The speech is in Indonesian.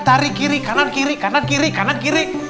tari kiri kanan kiri kanan kiri kanan kiri